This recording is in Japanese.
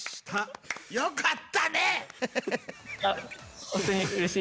よかったね！